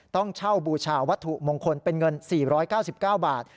ต้องเช่าบูชาวัตถุมงคลเป็นเงิน๔๙๙บาท